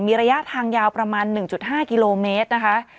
มีระยะทางยาวประมาณ๑๕กิโลเมตรนะคะ